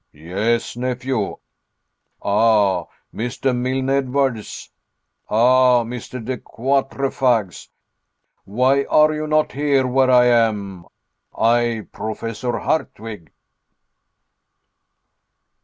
"Yes, nephew. Ah! Mr. Milne Edwards ah! Mr. De Quatrefages why are you not here where I am I, Professor Hardwigg!"